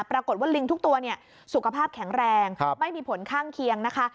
ปรากฏว่าลิงทุกตัวสุขภาพแข็งแรงไม่มีผลข้างเคียงนะคะ